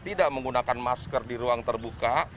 tidak menggunakan masker di ruang terbuka